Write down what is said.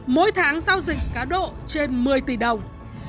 mỗi tháng giao dịch cá độ trên một mươi tỷ đồng